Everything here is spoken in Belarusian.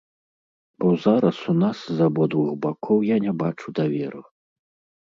Бо зараз у нас з абодвух бакоў я не бачу даверу.